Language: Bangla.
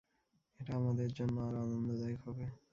এটা আমাদের জন্য আরো আনন্দদায়ক হবে।